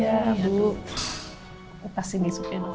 kamu belum kamu belum oke sayang